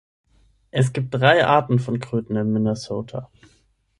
Es gibt drei Arten von Kröten in Minnesota.